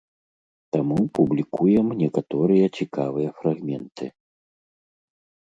Таму публікуем некаторыя цікавыя фрагменты.